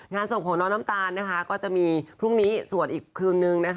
งานส่งโผงน้อนน้ำตาลก็จะมีพรุ่งนี้สวดอีกคืนนึง